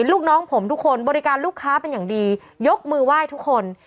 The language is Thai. ลูกน้องผมทุกคนบริการลูกค้าเป็นอย่างดียกมือไหว้ทุกคน